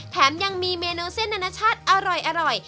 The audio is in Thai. แถมยังมีเมนูเส้นอนาชาติอร่อย